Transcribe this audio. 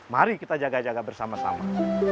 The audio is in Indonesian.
mari kita jaga jaga bersama sama